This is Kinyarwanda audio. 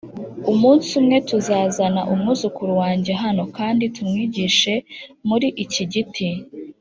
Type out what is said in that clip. "umunsi umwe tuzazana umwuzukuru wanjye hano, kandi tumwigishe muri iki giti".